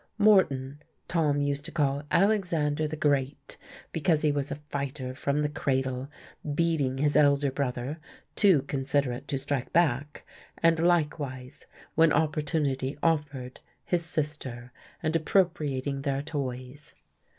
Moreton, Tom used to call Alexander the Great because he was a fighter from the cradle, beating his elder brother, too considerate to strike back, and likewise when opportunity offered his sister; and appropriating their toys.